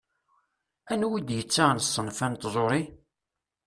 Anwa i d-yettaɣen ṣṣenf-a n tẓuṛi?